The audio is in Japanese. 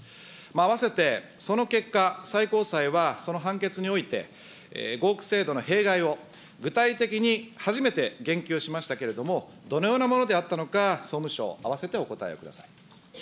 あわせてその結果、最高裁は、その判決において、合区制度の弊害を具体的に初めて言及しましたけれども、どのようなものであったのか、総務省、あわせてお答えをください。